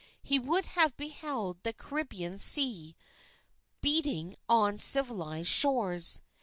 He would have beheld the Caribbean Sea beating on civilized shores.